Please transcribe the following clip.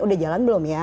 udah jalan belum ya